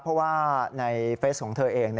เพราะว่าในเฟสของเธอเอง